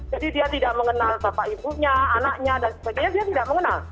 jadi dia tidak mengenal bapak ibunya anaknya dan sebagainya dia tidak mengenal